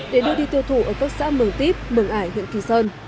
để đưa đi tiêu thụ ở các xã mường tiếp mường ải huyện kỳ sơn